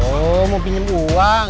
oh mau pinjem uang